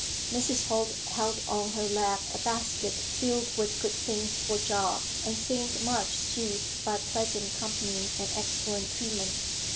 Mrs. Holt held on her lap a basket filled with good things for Job, and seemed much soothed by pleasant company and excellent treatment.